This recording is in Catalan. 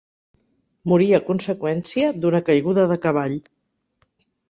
Morí a conseqüència d'una caiguda de cavall.